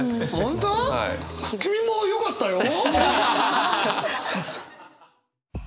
君もよかったよ！